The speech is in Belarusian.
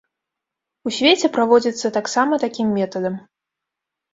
У свеце праводзіцца таксама такім метадам.